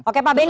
oke pak beni